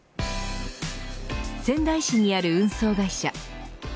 仙台市にある運送会社。